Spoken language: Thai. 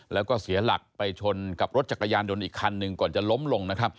แล้วก็เสียหลักไปชนกับรถจักรยานยนต์อีกคันหนึ่งก่อนจะล้มลงนะครับ